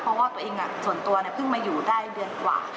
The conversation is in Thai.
เพราะว่าตัวเองส่วนตัวเพิ่งมาอยู่ได้เดือนกว่า